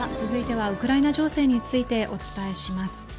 続いてはウクライナ情勢についてお伝えします。